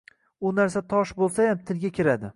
U narsa tosh bo‘lsayam tilga kiradi!